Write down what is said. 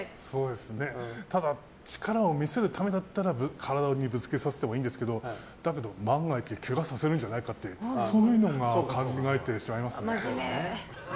ただ、力を見せるためだったら体にぶつけさせてもいいんですけどだけど万が一けがさせるんじゃないかっていうそういうのを考えてしまいますね。